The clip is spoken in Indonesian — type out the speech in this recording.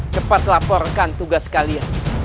cepat laporkan tugas kalian